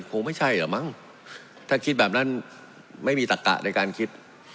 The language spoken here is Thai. คงไม่ใช่เหรอมั้งถ้าคิดแบบนั้นไม่มีตักกะในการคิด